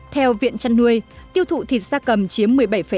theo viện chăn nuôi tiêu thụ thịt gia cầm chiếm một mươi bảy năm